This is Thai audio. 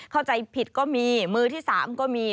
เข้าใจผิดก็มีมือที่๓ก็มี